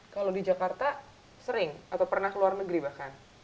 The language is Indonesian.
kalau di jakarta sering atau pernah ke luar negeri bahkan